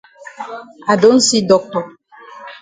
I don see doctor.